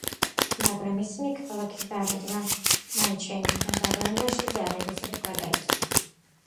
მაგრამ ისინი ქალაქის დარაჯმა მაინც შენიშნა და განგაშის ზარების რეკვა დაიწყო.